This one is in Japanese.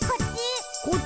「こっち」